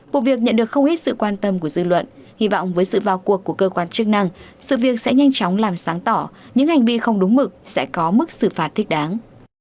vụ việc nhận được không ít sự quan tâm của dư luận hy vọng với sự vào cuộc của cơ quan chức năng sự việc sẽ nhanh chóng làm sáng tỏ những hành vi không đúng mực sẽ có mức xử phạt thích đáng